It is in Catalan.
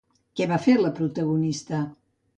Què va fer la protagonista?